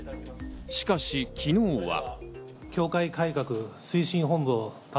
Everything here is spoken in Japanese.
しかし昨日は。